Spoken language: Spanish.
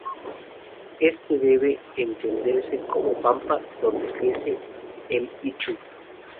Éste debe entenderse como pampa donde crece el ichu.